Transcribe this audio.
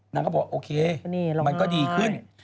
นางก็บอกโอเคมันก็ดีขึ้น